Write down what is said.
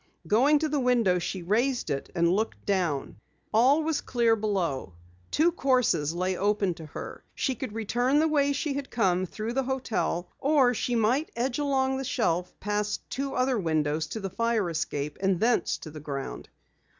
Going to the window she raised it and looked down. All was clear below. Two courses lay open to her. She could return the way she had come through the hotel, or she might edge along the shelf past two other windows to the fire escape, and thence to the ground.